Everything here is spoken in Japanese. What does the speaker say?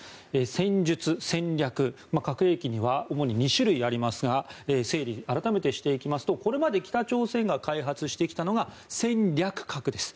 戦術、戦略核兵器には主に２種類ありますが改めて整理していきますとこれまで北朝鮮が開発してきたのが戦略核です。